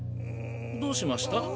どうしました？